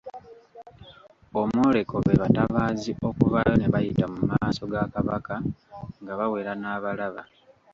Omwoleko be batabaazi okuvaayo ne bayita mu maaso ga Kabaka nga bawera n'abalaba.